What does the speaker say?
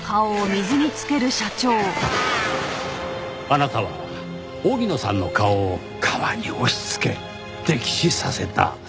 あなたは荻野さんの顔を川に押しつけ溺死させた。